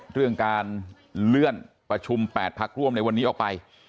เรื่องการเลื่อนประชุม๘พักร่วมในวันนี้ออกไป